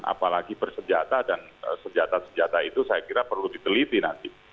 apalagi bersenjata dan senjata senjata itu saya kira perlu diteliti nanti